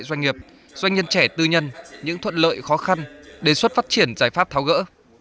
doanh nghiệp doanh nhân trẻ tư nhân những thuận lợi khó khăn đề xuất phát triển giải pháp tháo gỡ